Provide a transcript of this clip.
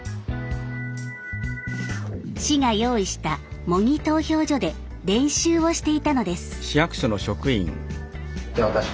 市が用意した模擬投票所で練習をしていたのです。